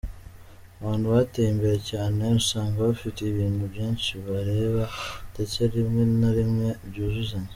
Abantu bateye imbere cyane usanga bafite ibintu byinshi bibareba ndetse rimwe na rimwe byuzuzanya.